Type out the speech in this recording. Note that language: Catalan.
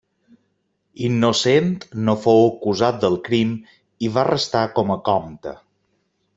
Innocent no fou acusat del crim i va restar com a comte.